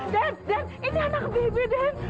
dad ini anak bibi dad